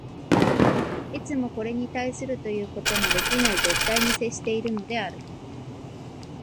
いつもこれに対するということもできない絶対に接しているのである。